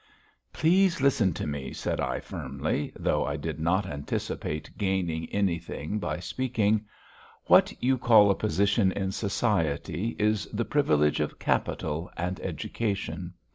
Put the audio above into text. "Please listen to me," said I firmly, though I did not anticipate gaining anything by speaking. "What you call a position in society is the privilege of capital and education.